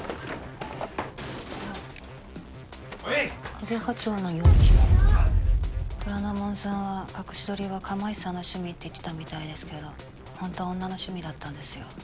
アゲハ蝶の幼虫虎ノ門さんは隠し撮りは釜石さんの趣味って言ってたみたいですけどほんとは女の趣味だったんですよ。